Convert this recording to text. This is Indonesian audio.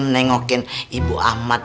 nengokin ibu ahmad